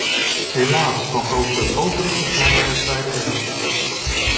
Helaas, want over het overige zijn wij het beiden eens.